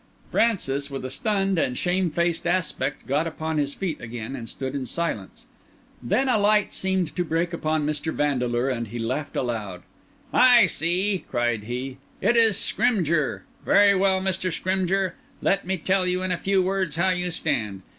Francis, with a stunned and shamefaced aspect, got upon his feet again, and stood in silence. Then a light seemed to break upon Mr. Vandeleur, and he laughed aloud "I see," cried he. "It is the Scrymgeour. Very well, Mr. Scrymgeour. Let me tell you in a few words how you stand.